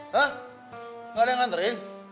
hah nggak ada yang nganterin